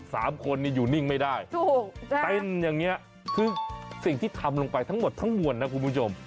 สามคนนี่อยู่นิ่งไม่ได้เต้นอย่างเงี้ยคือสิ่งที่ทำลงไปทั้งหมดทั้งมวลนะคุณผู้ชม